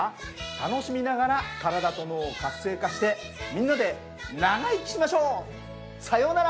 楽しみながら体と脳を活性化してみんなで長生きしましょう！さようなら。